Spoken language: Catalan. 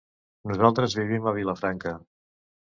Nosaltres vivim a Vilafranca.